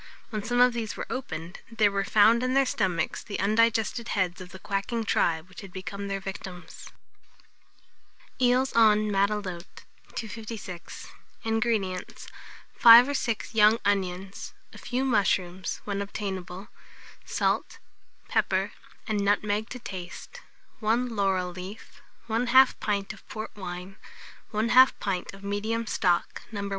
When some of these were opened, there were found in their stomachs the undigested heads of the quacking tribe which had become their victims. EELS EN MATELOTE. 256. INGREDIENTS. 5 or 6 young onions, a few mushrooms, when obtainable; salt, pepper, and nutmeg to taste; 1 laurel leaf, 1/2 pint of port wine, 1/2 pint of medium stock, No.